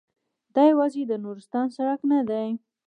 دا یوازې د نورستان سړک نه دی.